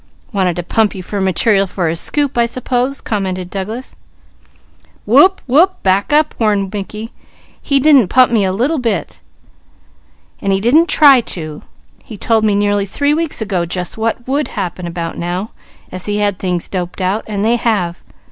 "Wanted to pump you for material for his scoop, I suppose?" commented Douglas. "Wope! Wope! Back up!" warned Mickey. "He didn't pump me a little bit, and he didn't try to. He told me nearly three weeks ago just what would happen about now, as he had things doped out, and they have.